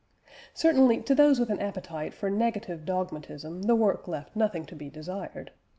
Certainly to those with an appetite for negative dogmatism the work left nothing to be desired.